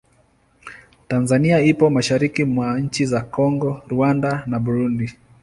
Tanzania ipo mashariki mwa nchi za Kongo, Rwanda na Burundi.